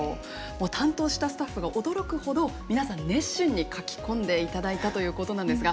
担当したスタッフが驚くほど皆さん熱心に書き込んでいただいたということなんですが。